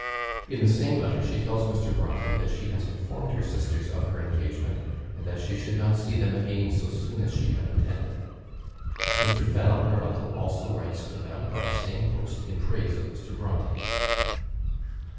In the same letter she tells Mr. Bronte, that she has informed her sisters of her engagement, and that she should not see them again so soon as she had intended. Mr. Fennel, her uncle, also writes to them by the same post in praise of Mr. Bronte.